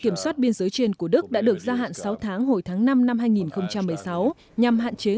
kiểm soát biên giới trên của đức đã được gia hạn sáu tháng hồi tháng năm năm hai nghìn một mươi sáu nhằm hạn chế